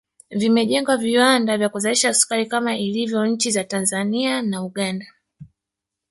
Vimejengwa viwanda vya kuzalisha sukari kama ilivyo kwa nchi za Tanzania na Uganda